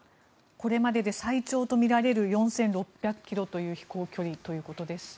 これまでで最長とみられる４６００ｋｍという飛行距離だということです。